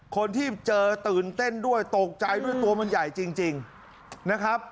คนที่เจอตื่นเต้นด้วยตกใจด้วยตัวมันใหญ่จริงนะครับ